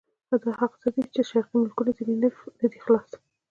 دا هغه څه دي چې شرقي ملکونه ځنې نه دي خلاص.